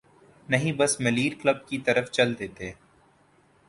نہیں بس ملیر کلب کی طرف چل دیتے۔